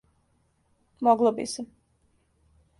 Могло би се.